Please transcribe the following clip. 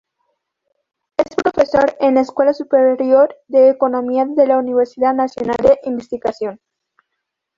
Es profesor en la Escuela Superior de Economía de la Universidad Nacional de Investigación.